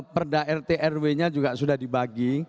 perda rt rw nya juga sudah dibagi